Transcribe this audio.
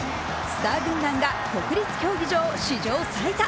スター軍団が国立競技場史上最多、